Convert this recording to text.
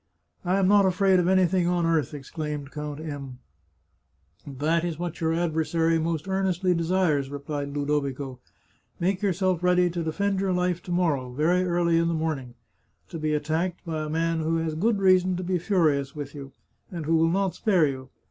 " I am not afraid of anything on earth," exclaimed Count M ." That is what your adversary most earnestly desires," replied Ludovico. " Make yourself ready to defend your life to morrow, very early in the morning; to be attacked by a man who has good reason to be furious with you, and who will not spare you.